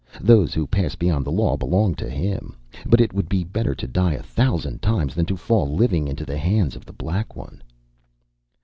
Those who pass beyond the law belong to him. But it would be better to die a thousand times than to fall living into the hands of The Black One."